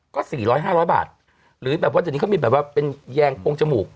ก็สี่ร้อยห้าร้อยบาทหรือแบบว่าทีนี้ก็มีแบบว่าเป็นแยงโพงจมูก